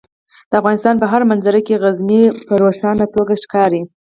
د افغانستان په هره منظره کې غزني په روښانه توګه ښکاري.